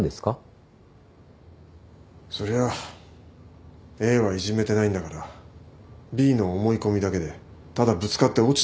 そりゃＡはいじめてないんだからＢの思い込みだけでただぶつかって落ちた事故だろ。